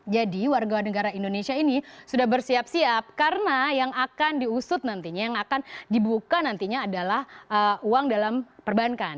jadi warga negara indonesia ini sudah bersiap siap karena yang akan diusut nantinya yang akan dibuka nantinya adalah uang dalam perbankan